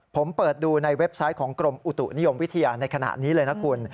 ผมเปิดดูในเว็บไซต์ของกรมอุตุนิยมวิทยาในขณะนี้เลยนะคุณ